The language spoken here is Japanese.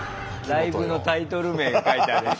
ライブのタイトル名が書いてあるやつ。